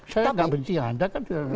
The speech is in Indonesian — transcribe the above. saya nggak benci anda kan